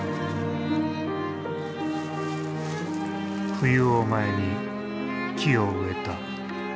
冬を前に木を植えた。